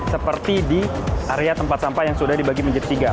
seperti di area tempat sampah yang sudah dibagi menjadi tiga